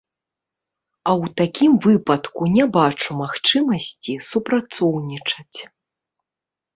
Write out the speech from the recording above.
А ў такім выпадку не бачу магчымасці супрацоўнічаць.